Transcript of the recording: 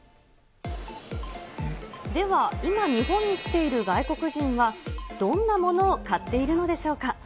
では、今日本に来ている外国人はどんなものを買っているのでしょうか。